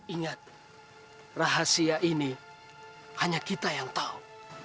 ingat rahasia ini hanya kita yang tahu